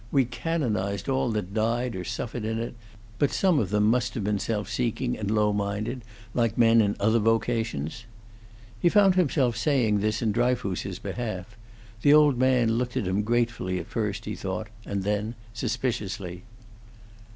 We canonized all that died or suffered in it, but some of them must have been self seeking and low minded, like men in other vocations." He found himself saying this in Dryfoos's behalf; the old man looked at him gratefully at first, he thought, and then suspiciously.